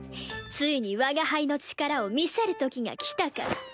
ついに我が輩の力を見せるときが来たか。